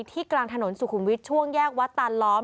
กลางถนนสุขุมวิทย์ช่วงแยกวัดตานล้อม